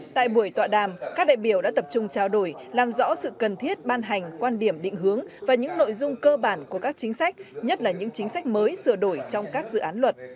tại buổi tọa đàm các đại biểu đã tập trung trao đổi làm rõ sự cần thiết ban hành quan điểm định hướng và những nội dung cơ bản của các chính sách nhất là những chính sách mới sửa đổi trong các dự án luật